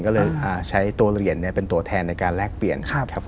ก็เลยใช้ตัวเหรียญเป็นตัวแทนในการแลกเปลี่ยนครับ